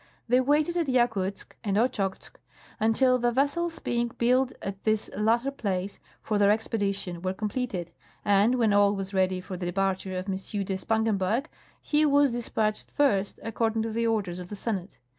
They waited at Yakouzk and Ochozk until the vessels being built at this latter place for their expedition were comjDleted, and when all was ready for the departifi'e of M. de Spangenberg he was dis patched first, according to the orders of the Senate.